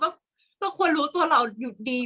กากตัวทำอะไรบ้างอยู่ตรงนี้คนเดียว